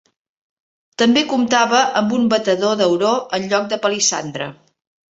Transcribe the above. També comptava amb un batedor d'auró en lloc de palissandre.